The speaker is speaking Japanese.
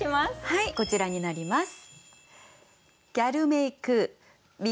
はいこちらになります。